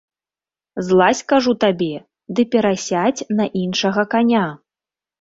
Злазь, кажу табе, ды перасядзь на іншага каня.